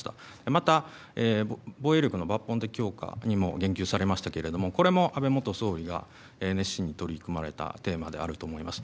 また、防衛力の抜本的強化にも言及されましたけれどもこれも安倍元総理が熱心に取り組まれたテーマであると思います。